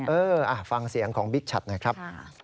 เออฟังเสียงของบิ๊กฉัดหน่อยครับ